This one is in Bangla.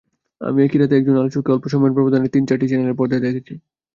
আমি একই রাতে একজন আলোচককে অল্প সময়ের ব্যবধানে তিন-চারটি চ্যানেলের পর্দায় দেখেছি।